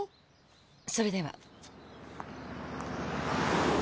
それでは。